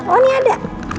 oh ini ada